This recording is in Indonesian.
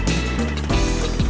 terima kasih bang